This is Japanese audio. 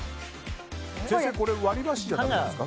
先生割り箸じゃだめなんですか？